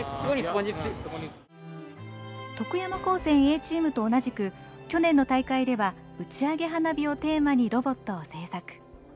徳山高専Ａチームと同じく去年の大会では「打ち上げ花火」をテーマにロボットを製作。